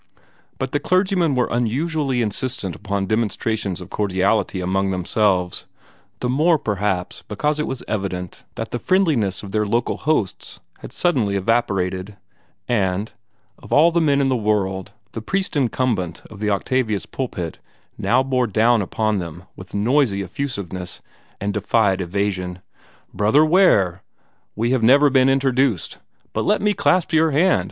But the clergymen were unusually insistent upon demonstrations of cordiality among themselves the more, perhaps, because it was evident that the friendliness of their local hosts had suddenly evaporated and, of all men in the world, the present incumbent of the Octavius pulpit now bore down upon them with noisy effusiveness, and defied evasion. "Brother Ware we have never been interduced but let me clasp your hand!